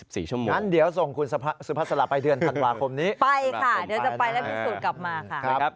ไปค่ะเดี๋ยวจะไปแล้วพิสูจน์กลับมาค่ะ